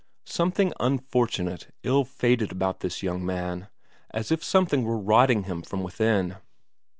Something unfortunate, ill fated about this young man, as if something were rotting him from within.